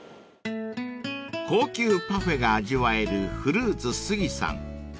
［高級パフェが味わえるフルーツすぎさん］